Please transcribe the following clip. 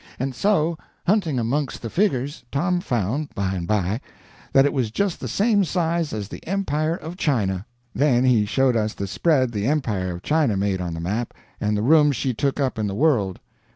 And so, hunting among the figgers, Tom found, by and by, that it was just the same size as the Empire of China. Then he showed us the spread the Empire of China made on the map, and the room she took up in the world.